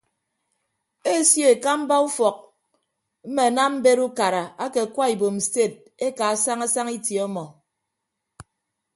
Esio ekamba ufọk mme anam mbet ukara ake akwa ibom sted ekaa saña saña itie ọmọ.